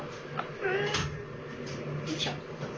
よいしょ。